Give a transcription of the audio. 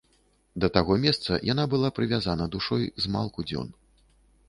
Да таго месца яна была прывязана душой змалку дзён.